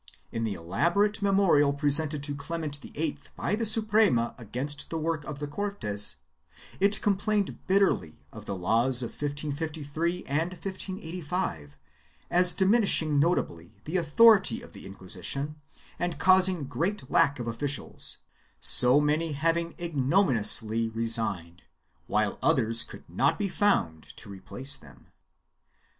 In the elaborate memorial presented to Clement VIII by the Suprema against the work of the Cortes, it complained bitterly of the laws of 1553 and 1585 as diminishing notably the authority of the Inquisition and causing great lack of officials, so many having ignominiously resigned, while others could not be found to replace them.